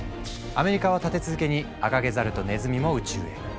アメリカは立て続けにアカゲザルとネズミも宇宙へ。